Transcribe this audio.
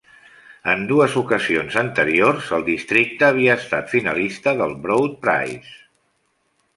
En dues ocasions anteriors, el districte havia estat finalista del Broad Prize.